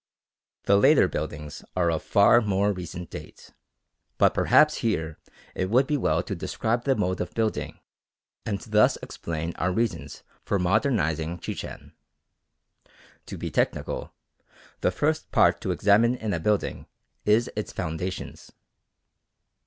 The later buildings are of far more recent date; but perhaps here it would be well to describe the mode of building and thus explain our reasons for modernising Chichen. To be technical, the first part to examine in a building is its foundations.